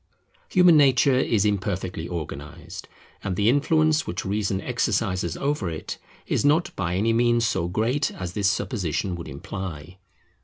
Human nature is imperfectly organized; and the influence which Reason exercises over it is not by any means so great as this supposition would imply.